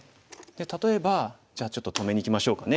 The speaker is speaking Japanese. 例えばじゃあちょっと止めにいきましょうかね。